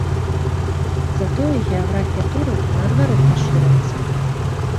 Затое геаграфія тураў наадварот пашырылася.